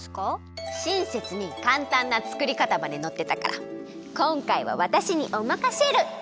しんせつにかんたんなつくりかたまでのってたからこんかいはわたしにおまかシェル！